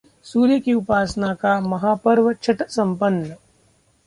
सूर्य की उपासना का महापर्व छठ संपन्न